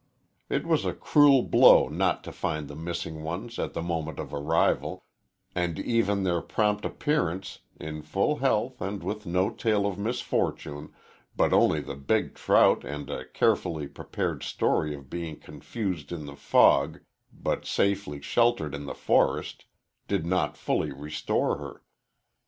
It was a cruel blow not to find the missing ones at the moment of arrival, and even their prompt appearance, in full health and with no tale of misfortune, but only the big trout and a carefully prepared story of being confused in the fog but safely sheltered in the forest, did not fully restore her.